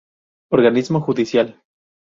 Organismo Judicial